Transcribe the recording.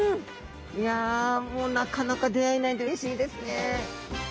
いやもうなかなか出会えないのでうれしいですね。